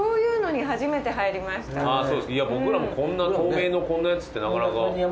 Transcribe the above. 僕らも透明のこんなやつってなかなか。